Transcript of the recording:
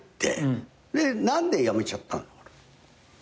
で何で辞めちゃったの？